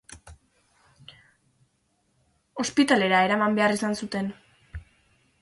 Ospitalera eraman behar izan zuten.